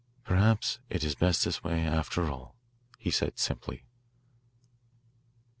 "Perhaps it is best this way, after all," he said simply.